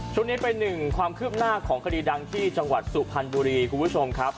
ช่วงนี้เป็นหนึ่งความคืบหน้าของคดีดังที่จังหวัดสุพรรณบุรีคุณผู้ชมครับ